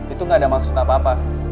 itu gak ada maksud apa apa